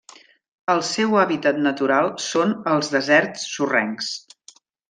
El seu hàbitat natural són els deserts sorrencs.